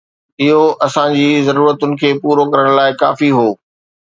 اهو اسان جي ضرورتن کي پورو ڪرڻ لاء ڪافي هو